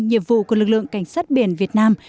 nhiệm vụ của lực lượng cảnh sát biển việt nam